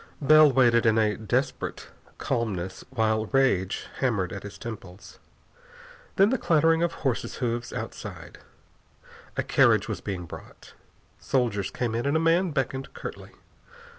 Bell waited in a terrible calmness, while rage hammered at his temples. Then the clattering of horses' hoofs outside. A carriage was being brought. Soldiers came in and a man beckoned curtly.